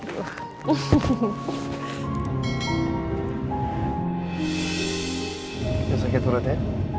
jangan sakit urut ya